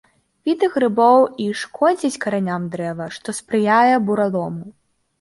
Віды грыбоў і шкодзяць караням дрэва, што спрыяе буралому.